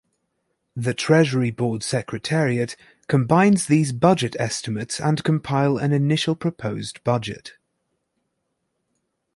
The Treasury Board Secretariat combines these budget estimates and compile an initial proposed budget.